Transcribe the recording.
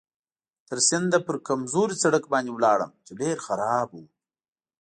تر سینده پر کمزوري سړک باندې ولاړم چې ډېر خراب و.